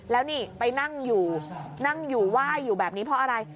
แล้วนี่ไปนั่งอยู่นั่งอยู่ไหว้อยู่แบบนี้เพราะอะไร